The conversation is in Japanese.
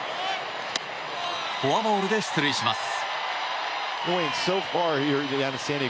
フォアボールで出塁します。